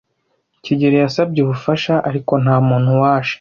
kigeli yasabye ubufasha, ariko ntamuntu waje.